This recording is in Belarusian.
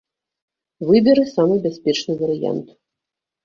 Выберы самы бяспечны варыянт.